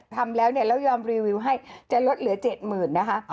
ทำแล้วเนี่ยแล้วยอมรีวิวให้จะลดเหลือ๗๐๐๐นะคะ